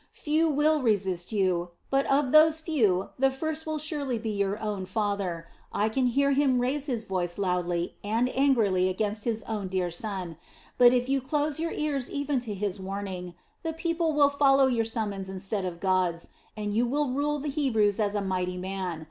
Few will resist you, but of those few the first will surely be your own father. I can hear him raise his voice loudly and angrily against his own dear son; but if you close your ears even to his warning, the people will follow your summons instead of God's, and you will rule the Hebrews as a mighty man.